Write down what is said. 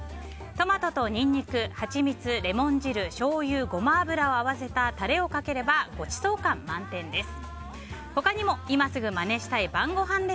トマトとニンニク、ハチミツレモン汁、しょうゆ、ゴマ油を合わせたタレをかければごちそう感満天です。